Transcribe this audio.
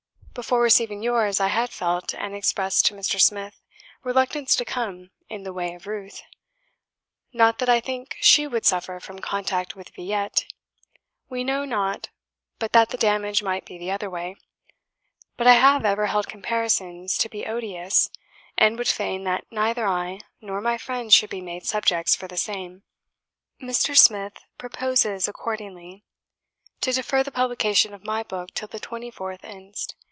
Before receiving yours, I had felt, and expressed to Mr. Smith, reluctance to come in the way of 'Ruth;' not that I think SHE would suffer from contact with 'Villette' we know not but that the damage might be the other way; but I have ever held comparisons to be odious, and would fain that neither I nor my friends should be made subjects for the same. Mr. Smith proposes, accordingly, to defer the publication of my book till the 24th inst.